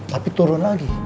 tapi turun lagi